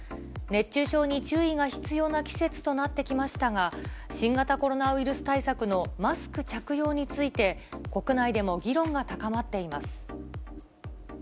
熱中症に注意が必要な季節となってきましたが、新型コロナウイルス対策のマスク着用について、国内でも議論が高まっています。